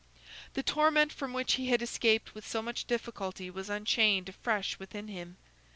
The torment from which he had escaped with so much difficulty was unchained afresh within him.